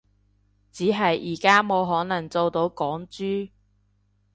只係而家冇可能做到港豬